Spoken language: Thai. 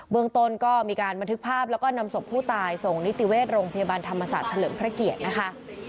เมืองต้นก็มีการบันทึกภาพแล้วก็นำศพผู้ตายส่งนิติเวชโรงพยาบาลธรรมศาสตร์เฉลิมพระเกียรตินะคะ